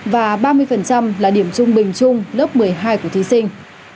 và ba mươi là điểm trung bình chung lớp một mươi hai của thí sinh